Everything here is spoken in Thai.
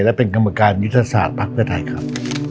และเป็นกรรมการยุทธศาสตร์ภักดิ์เพื่อไทยครับ